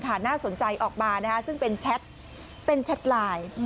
ถ่านหน้าสนใจออกมาซึ่งเป็นแชทไลน์